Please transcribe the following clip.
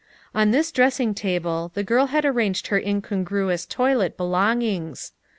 On this dressing table the girl had arranged her incongruous toilet belongings.